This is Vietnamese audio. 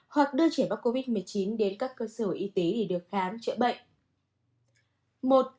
hoặc đưa trẻ mắc covid một mươi chín đến các cơ sở y tế để được khám chữa bệnh